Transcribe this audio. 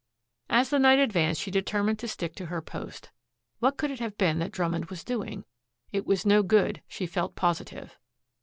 As the night advanced she determined to stick to her post. What could it have been that Drummond was doing? It was no good, she felt positive.